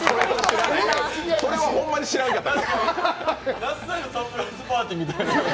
それはホンマに知らんかった。